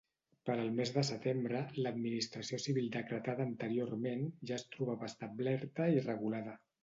Per al mes de setembre, l'administració civil decretada anteriorment ja es trobava establerta i regulada.